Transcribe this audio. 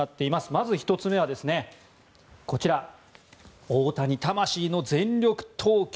まず１つ目は大谷、魂の全力投球。